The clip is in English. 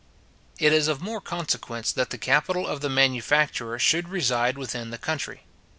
It is of more consequence that the capital of the manufacturer should reside within the country.